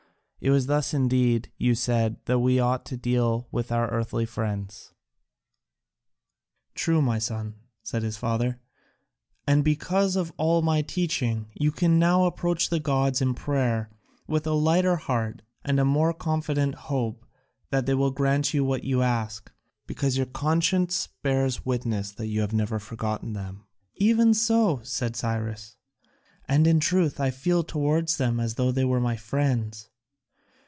It was thus indeed, you said, that we ought to deal with our earthly friends." "True, my son," said his father, "and because of all my teaching, you can now approach the gods in prayer with a lighter heart and a more confident hope that they will grant you what you ask, because your conscience bears you witness that you have never forgotten them." "Even so," said Cyrus, "and in truth I feel towards them as though they were my friends."